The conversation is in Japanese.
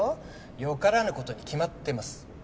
よからぬことに決まってます